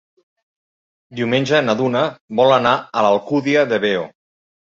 Diumenge na Duna vol anar a l'Alcúdia de Veo.